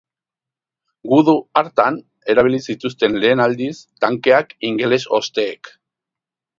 Gudu hartan erabili zituzten lehen aldiz tankeak ingeles osteek.